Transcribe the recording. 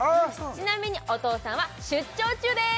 ちなみにお父さんは出張中です！